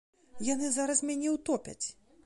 Яны зараз мяне ўтопяць.